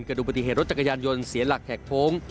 ดูปฏิเหตุรถจักรยานยนต์เสียหลักแหกโค้ง